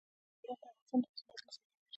بادام د افغانستان د موسم د بدلون سبب کېږي.